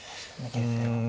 形勢は。